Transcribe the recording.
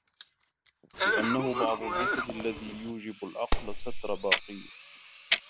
لِأَنَّهُ بَعْضُ الْجَسَدِ الَّذِي لَا يُوجِبُ الْعَقْلُ سَتْرَ بَاقِيهِ